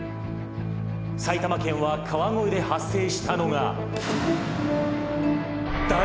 埼玉県は川越で発生したのが」